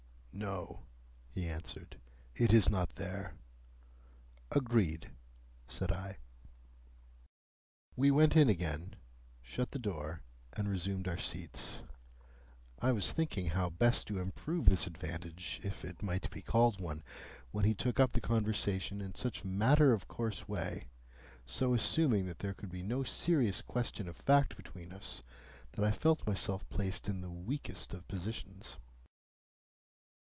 "No," he answered. "It is not there." "Agreed," said I. We went in again, shut the door, and resumed our seats. I was thinking how best to improve this advantage, if it might be called one, when he took up the conversation in such a matter of course way, so assuming that there could be no serious question of fact between us, that I felt myself placed in the weakest of positions.